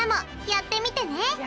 やってみてね！